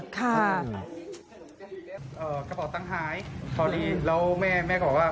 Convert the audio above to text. กระเป๋าตังค์หายพอดีแล้วแม่แม่ก็บอกว่า